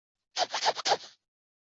爪哇麦鸡是一种麦鸡。